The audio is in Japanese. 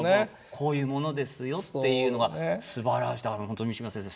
「こういうものですよ」っていうのがすばらしい本当に三島先生